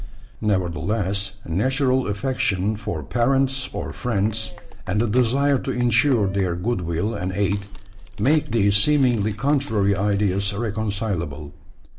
Nevertheless, natural affection for parents or friends, and the desire to insure their goodwill and aid, make these seemingly contrary ideas reconcilable.